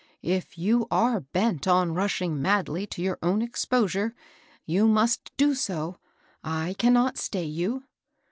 If you are bent on 256 MABEL BOSS. rushing madly to your own exposure, yon must • do so ; I cannot stay you."